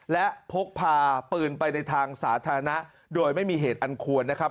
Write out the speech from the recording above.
และพกพาปืนไปในทางสาธารณะโดยไม่มีเหตุอันควรนะครับ